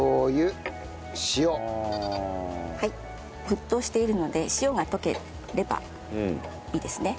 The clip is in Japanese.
沸騰しているので塩が溶ければいいですね。